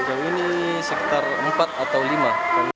sejauh ini sekitar empat atau lima